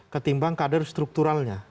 ketimbang kader strukturalnya